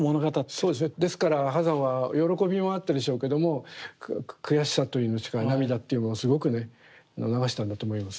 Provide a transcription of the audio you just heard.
そうですねですから波山は喜びもあったでしょうけども悔しさというんですか涙っていうものすごくね流したんだと思います。